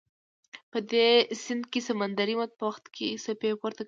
په دې سیند کې سمندري مد په وخت کې څپې پورته کوي.